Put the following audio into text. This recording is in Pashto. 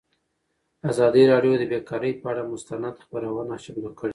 ازادي راډیو د بیکاري پر اړه مستند خپرونه چمتو کړې.